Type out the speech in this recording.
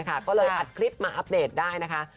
ก็เลยอัดคลิปมาอัปเดตได้นะคะ